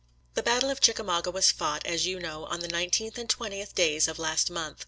••♦ The battle of Chickamauga was fought, as you know, on the 19th and 20th days of last month.